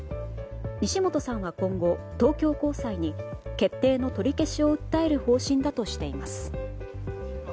西本さんは今後、東京高裁に決定の取り消しを訴える方針だといいます。